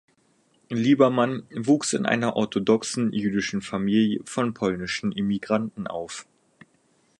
Lieberman wuchs in einer orthodoxen jüdischen Familie von polnischen Immigranten auf.